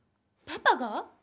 パパが？